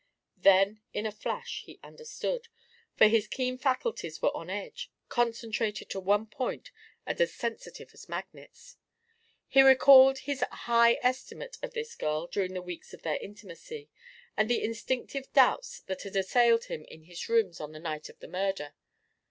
Then in a flash he understood, for his keen faculties were on edge, concentrated to one point, and as sensitive as magnets. He recalled his high estimate of this girl during the weeks of their intimacy, and the instinctive doubts that had assailed him in his rooms on the night of the murder.